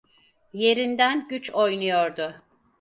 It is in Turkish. Yerinden güç oynuyordu.